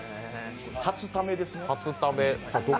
初ためですね。